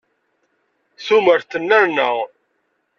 Tumert tennerna.